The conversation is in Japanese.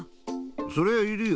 そりゃいるよ。